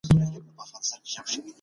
هغه خپله دنده ژوره احساسوي.